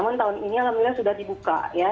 namun tahun ini alhamdulillah sudah dibuka ya